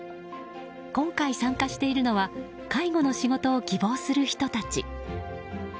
今回、参加しているのは介護の仕事を希望する人たち。